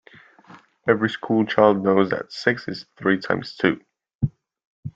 Every school child knows that six is three times two